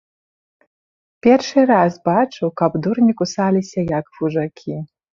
Першы раз бачу, каб дурні кусаліся, як вужакі.